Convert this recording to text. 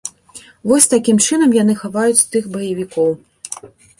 Вось такім чынам яны хаваюць тых баевікоў.